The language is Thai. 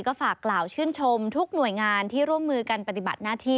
ก็ฝากกล่าวชื่นชมทุกหน่วยงานที่ร่วมมือกันปฏิบัติหน้าที่